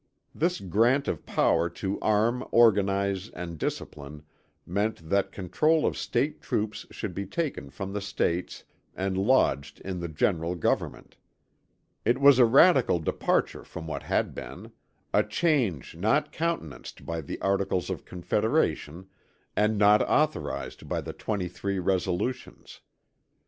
This grant of power to arm organize and discipline meant that control of State troops should be taken from the States and lodged in the general government. It was a radical departure from what had been; a change not countenanced by the Articles of Confederation and not authorized by the 23 resolutions.